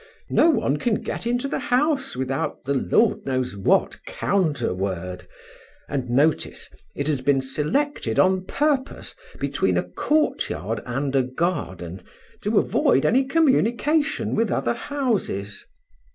No one can get into the house without the Lord knows what counter word; and, notice, it has been selected on purpose between a courtyard and a garden to avoid any communication with other houses.